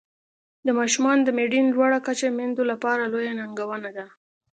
د ماشومانو د مړینې لوړه کچه میندو لپاره لویه ننګونه ده.